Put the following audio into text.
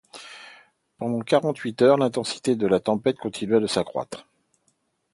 Pendant quarante-huit heures, l’intensité de la tempête continua de s’accroître.